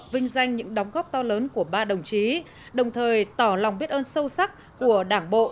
vinh danh những đóng góp to lớn của ba đồng chí đồng thời tỏ lòng biết ơn sâu sắc của đảng bộ